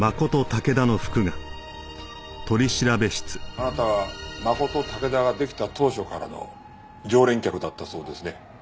あなたはマコトタケダが出来た当初からの常連客だったそうですね。